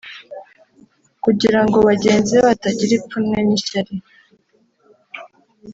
kugira ngo bagenzi be batagira ipfunwe n’ishyari